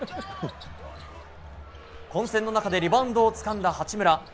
混戦の中でリバウンドをつかんだ八村。